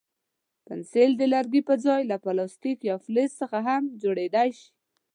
پنسل د لرګي پر ځای له پلاستیک یا فلز څخه هم جوړېدای شي.